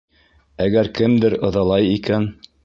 Әгәр кемдер ыҙалай икән...